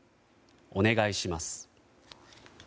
お願いします。